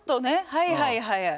はいはいはいはい。